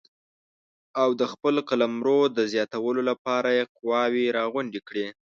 او د خپل قلمرو د زیاتولو لپاره یې قواوې راغونډې کړې.